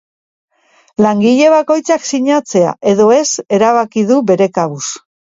Langile bakoitzak sinatzea edo ez erabaki du bere kabuz.